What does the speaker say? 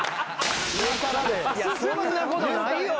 ・そんなことないよ